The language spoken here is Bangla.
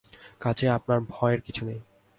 কাজেই আপনার ভয়ের কিছু নেই।